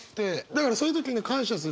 だからそういう時に感謝するね。